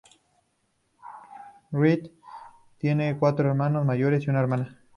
Rath tiene cuatro hermanos mayores y una hermana.